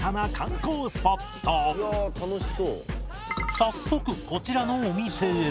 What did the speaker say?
早速こちらのお店へ